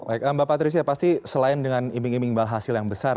baik mbak patricia pasti selain dengan iming iming imbal hasil yang besar